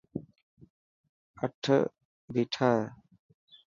اَٺ ڀيا هي.